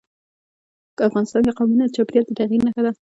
افغانستان کې قومونه د چاپېریال د تغیر نښه ده.